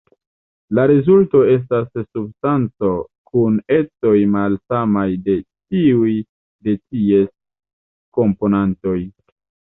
La rezulto estas substanco kun ecoj malsamaj de tiuj de ties komponantoj.